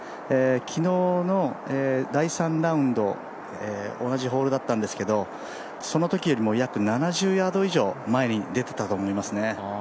昨日の第３ラウンド、同じホールだったんですけど、そのときよりも約７０ヤード以上前に出ていたと思いますね。